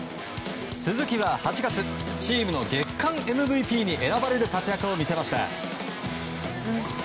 鈴木は、８月チームの月間ＭＶＰに選ばれる活躍を見せました。